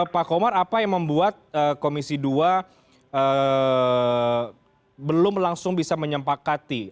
pak komar apa yang membuat komisi dua belum langsung bisa menyempakati